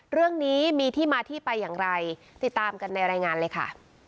เรื่องนี้มีที่มาที่ไปอย่างไรติดตามกันในรายงานเลยค่ะ